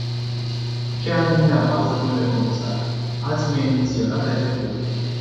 Chiar dvs., dle comisar, ați menționat acest lucru.